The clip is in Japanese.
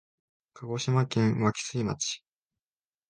鹿児島県湧水町